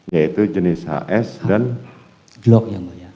yaitu jenis hs dan glock yang mulia